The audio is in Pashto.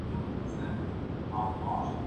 سړي وویل ستا ورور صدراعظم دئ